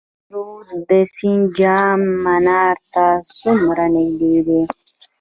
هریرود سیند جام منار ته څومره نږدې دی؟